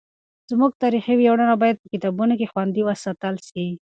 زموږ تاریخي ویاړونه باید په کتابونو کې خوندي وساتل سي.